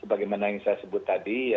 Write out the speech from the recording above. sebagai mana yang saya sebut tadi